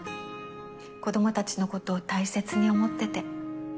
子供たちのことを大切に思ってて。